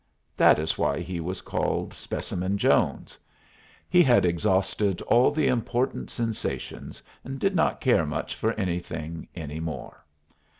That is why he was called Specimen Jones. He had exhausted all the important sensations, and did not care much for anything any more.